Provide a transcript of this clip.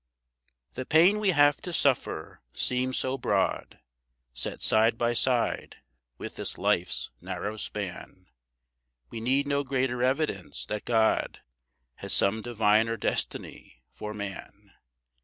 The pain we have to suffer seems so broad, Set side by side with this life's narrow span, We need no greater evidence that God Has some diviner destiny for man.